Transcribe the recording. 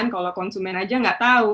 kalau konsumen aja gak tau